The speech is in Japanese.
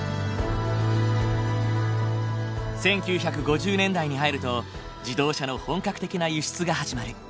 １９５０年代に入ると自動車の本格的な輸出が始まる。